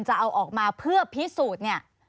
จะเอาออกมาเพื่อพิสูจน์